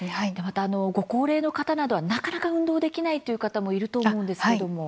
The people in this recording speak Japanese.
ご高齢の方などはなかなか運動できないという方もいると思うんですけども。